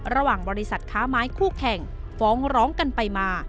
ระหว่างบริษัทค้าไม้คู่แข่งฟ้องร้องกันไปมา